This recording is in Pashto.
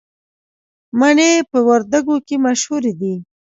مڼې په وردګو کې مشهورې دي